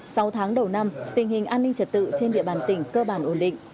sau tháng đầu năm tình hình an ninh trật tự trên địa bàn tỉnh cơ bản ổn định